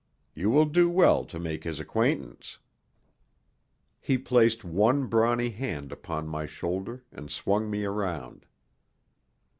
You will do well to make his acquaintance." He placed one brawny hand upon my shoulder and swung me around.